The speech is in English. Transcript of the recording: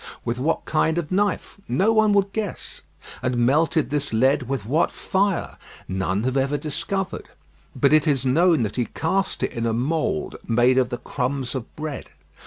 With what kind of knife? No one would guess. And melted this lead with what fire? None have ever discovered; but it is known that he cast it in a mould made of the crumbs of bread.